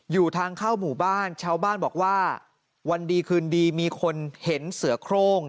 อยู่ทางเข้าหมู่บ้านชาวบ้านบอกว่าวันดีคืนดีมีคนเห็นเสือโครง